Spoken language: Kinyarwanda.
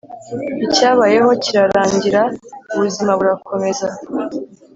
Icyabayeho kirarangira ubuzima burakomeza